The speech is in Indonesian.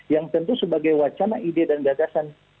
yang tentu sebagai wacana ide dan gagasan